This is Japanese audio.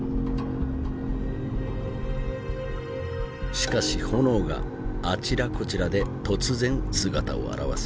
しかし炎があちらこちらで突然姿を現す。